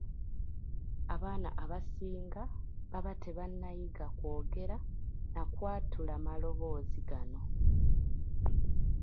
Abaana abasinga baba tebannayiga kwogera na kwatula maloboozi gano.